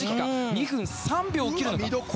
２分３秒を切るのか。